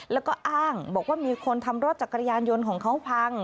แล้วก็อ้างบอกว่ามีคนทำรถจักรยานยนต์ของเขาพัง